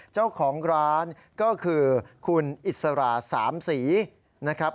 เจ้าของร้านก็คือคุณอิสราสามสีนะครับ